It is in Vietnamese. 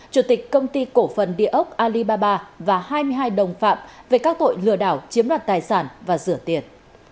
chủ tịch công ty cổ phần địa ốc alibaba và hai mươi hai đồng phạm về các tội lừa đảo chiếm đoạt tài sản và rửa tiền